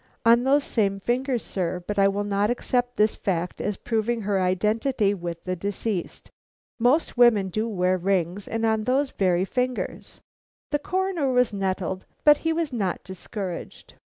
"On those same fingers, sir, but I will not accept this fact as proving her identity with the deceased. Most women do wear rings, and on those very fingers." The Coroner was nettled, but he was not discouraged.